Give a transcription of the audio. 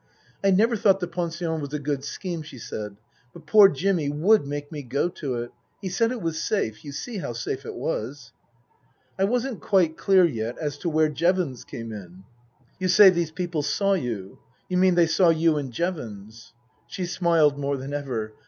" I never thought the pension was a good scheme," she said ;" but poor Jimmy would make me go to it. He said it was safe. You see how safe it was." I wasn't quite clear yet as to where Jevons came in. " You say these people saw you. You mean they saw you and Jevons ?" She smiled more than ever.